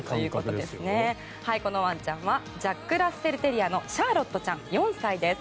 このワンちゃんはジャックラッセルテリアのシャーロットちゃん、４歳です。